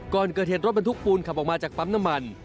ก่อนเกิดเหตุรถบรรทุกปูนขับออกมาจากปั๊มน้ำมัน